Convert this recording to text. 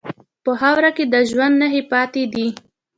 په خاوره کې د ژوند نښې پاتې دي.